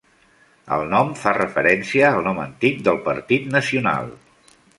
El nom fa referència al nom antic del Partit Nacional.